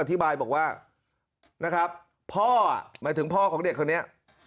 อธิบายบอกว่านะครับพ่อหมายถึงพ่อของเด็กคนนี้